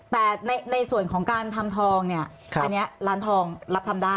แต่ในส่วนของการทำทองเนี่ยอันนี้ร้านทองรับทำได้